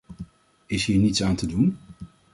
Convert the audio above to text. Is hier niets aan te doen?